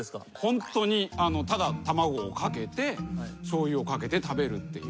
ホントにただ卵をかけてしょうゆをかけて食べるっていう。